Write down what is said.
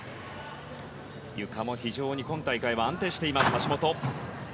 ゆかも非常に今大会は安定している橋本。